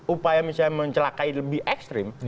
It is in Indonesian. upaya misalnya mencelakai lebih ekstrim